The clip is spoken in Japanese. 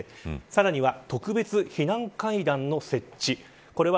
さらには特別避難階段の設置。